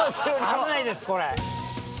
危ないですこれ。